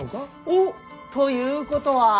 おっということは。